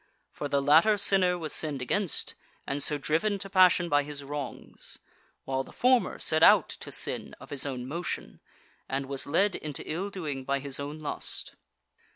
For the latter sinner was sinned against, and so driven to passion by his wrongs, while the former set out to sin of his own motion, and was led into ill doing by his own lust.